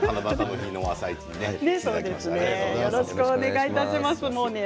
よろしくお願いします。